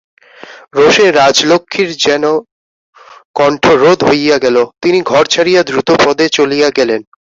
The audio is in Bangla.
রোষে রাজলক্ষ্মীর যেন কণ্ঠরোধ হইয়া গেল–তিনি ঘর ছাড়িয়া দ্রুতপদে চলিয়া গেলেন।